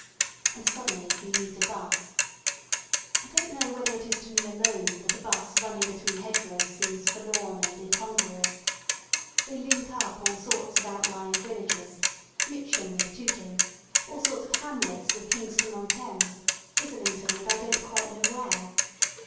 And suddenly you meet a 'bus. I don't know whether it is to me alone that a 'bus running between hedgerows seems forlorn and incon gruous. They link up " all sorts of outlying villages — Mitcham with Tooting, all sorts of hamlets with Kingston on Thames, Islington with I don't quite know where.